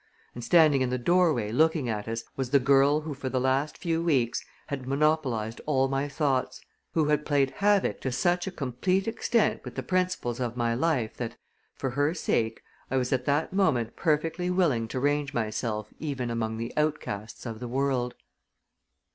And standing in the doorway, looking at us, was the girl who for the last few weeks had monopolized all my thoughts; who had played havoc to such a complete extent with the principles of my life that, for her sake, I was at that moment perfectly willing to range myself even among the outcasts of the world.